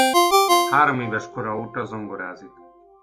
Hároméves kora óta zongorázik.